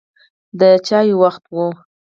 د چای وخت و.